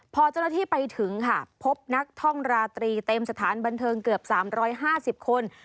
พอเจ้าหน้าที่ไปถึงค่ะพบนักท่องราตรีเต็มสถานบันเทิงเกือบ๓๕๐คน